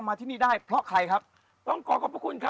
วัดสุทัศน์นี้จริงแล้วอยู่มากี่ปีตั้งแต่สมัยราชการไหนหรือยังไงครับ